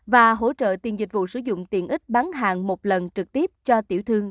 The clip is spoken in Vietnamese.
và hỗ trợ tiền dịch vụ sử dụng tiền ít bán hàng một lần trực tiếp cho tiểu thương